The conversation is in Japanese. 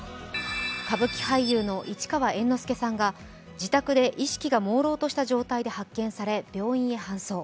歌舞伎俳優の市川猿之助さんが自宅で意識がもうろうとした状態で発見され、病院へ搬送。